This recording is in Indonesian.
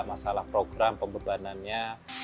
masalah program pembebanannya